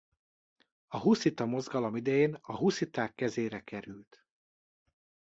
A huszita mozgalom idején a husziták kezére került.